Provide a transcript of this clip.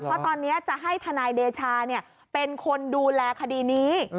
เพราะตอนนี้จะให้ทนายเดชาเป็นคนดูแลคดีนี้